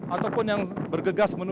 jemaah yang berjalan